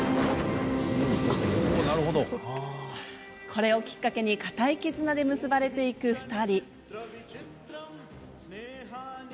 これをきっかけに固い絆で結ばれていく２人。